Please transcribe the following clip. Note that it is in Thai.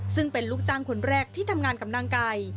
ซึ่งเป็นลูกจ้างคนแรกที่ทำงานกับนางไก่